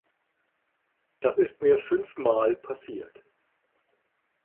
Das ist mir fünfmal passiert.